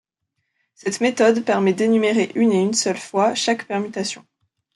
Cette méthode permet d'énumérer une et une seule fois chaque permutation.